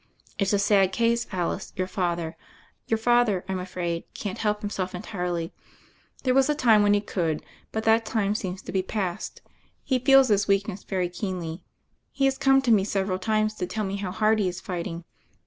"It's a sad case, Alice; your father, I'm afraid, can't help himself entirely. There was a time when he could; but that time seems to be past. He feels his weakness very keenly. He has come to me several times to tell me how hard he is fighting."